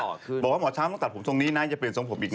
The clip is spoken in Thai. บอกว่าหมอช้างต้องตัดผมทรงนี้นะอย่าเปลี่ยนทรงผมอีกนะ